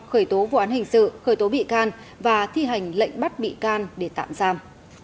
khởi tố vụ án hình sự khởi tố bị can và thi hành lệnh bắt bị can để tạm giam